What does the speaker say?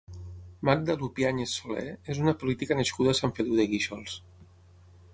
Magda Lupiáñez Soler és una política nascuda a Sant Feliu de Guíxols.